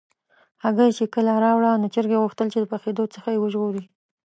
هګۍ چې کله راوړه، نو چرګې غوښتل چې د پخېدو څخه یې وژغوري.